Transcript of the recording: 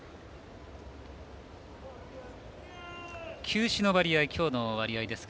球種の割合、きょうの割合です。